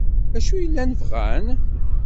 D acu ay llan bɣan?